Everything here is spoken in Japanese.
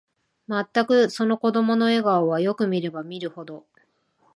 まったく、その子供の笑顔は、よく見れば見るほど、